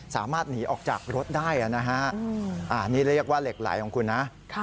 สามารถหนีออกจากรถได้นะฮะอันนี้เรียกว่าเหล็กไหลของคุณนะ